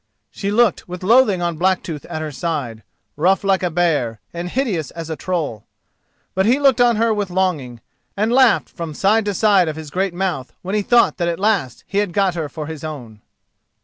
She looked with loathing on Blacktooth at her side, rough like a bear, and hideous as a troll. But he looked on her with longing, and laughed from side to side of his great mouth when he thought that at last he had got her for his own.